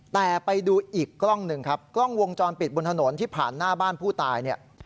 แต่ไปดูอีกกล้องหนึ่งครับกล้องวงจรปิดบนถนนที่ผ่านหน้าบ้านผู้ตายเนี่ย